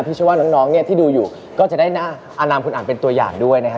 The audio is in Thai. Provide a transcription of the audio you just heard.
พี่เช่าว่าน้องที่ดูอยู่ก็จะได้หน้าอนามคุณอ่านเป็นตัวอย่างด้วยนะฮะ